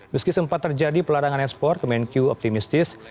meski sempat terjadi pelarangan ekspor kemenq optimistis